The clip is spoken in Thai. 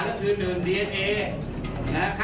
ไม่เคยมาก่อน